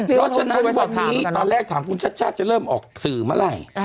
เพราะฉะนั้นวันนี้ตอนแรกถามคุณชาติชาติจะเริ่มออกสื่อเมื่อไหร่